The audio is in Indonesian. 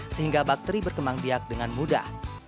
sehingga bakteri berkembang biak dengan mudah